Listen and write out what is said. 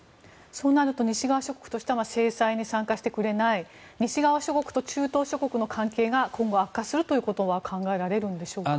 そうすると西側諸国とすると西側諸国と中東諸国の関係が今後悪化するということは考えられるんでしょうか。